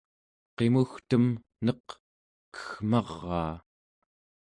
qimugtem eneq keggmaraa